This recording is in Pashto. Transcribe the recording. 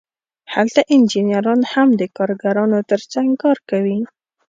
هلته انجینران هم د کارګرانو ترڅنګ کار کوي